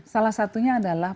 salah satunya adalah